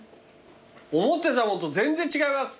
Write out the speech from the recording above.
思ってたのと全然違います。